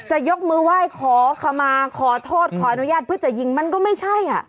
จะยกมือไหว้ขอขมาขอโทษขออนุญาตเพื่อจะยิงมันก็ไม่ใช่